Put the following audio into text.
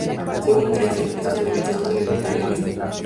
Según la tradición, estos elementos no deben de faltar en la mesa.